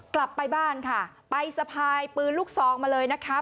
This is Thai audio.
กลับไปบ้านค่ะไปสะพายปืนลูกซองมาเลยนะคะ